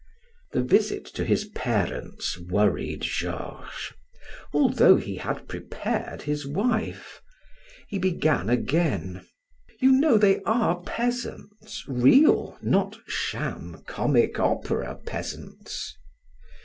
The visit to his parents worried Georges, although he had prepared his wife. He began again: "You know they are peasants, real, not sham, comic opera peasants."